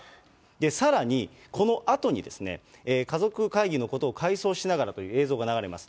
さらに、このあとにですね、家族会議のことを回想しながら映像が流れます。